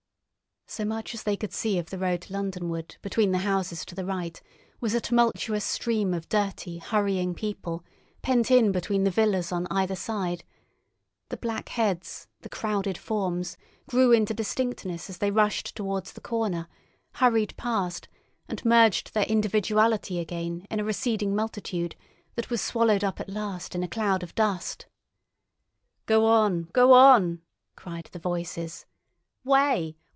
So much as they could see of the road Londonward between the houses to the right was a tumultuous stream of dirty, hurrying people, pent in between the villas on either side; the black heads, the crowded forms, grew into distinctness as they rushed towards the corner, hurried past, and merged their individuality again in a receding multitude that was swallowed up at last in a cloud of dust. "Go on! Go on!" cried the voices. "Way!